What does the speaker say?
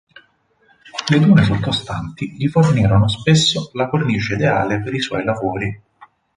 Le dune sottostanti gli fornirono spesso la cornice ideale per i suoi lavori.